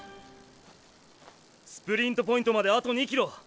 スプリントポイントまであと２ｋｍ。